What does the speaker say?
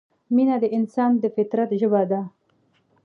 مینه د انسان د فطرت ژبه ده.